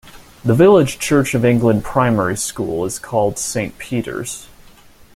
The village Church of England primary school is called St.Peters.